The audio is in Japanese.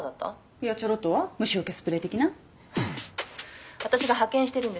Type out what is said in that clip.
いやちょろっとは虫よけスプレー的な「私が派遣してるんです」